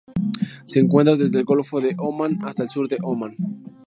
Se encuentra desde el Golfo de Omán hasta el sur de Omán.